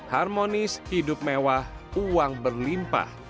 harmonis hidup mewah uang berlimpah